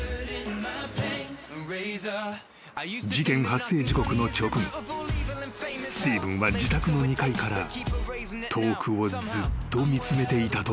［事件発生時刻の直後スティーブンは自宅の２階から遠くをずっと見つめていたという］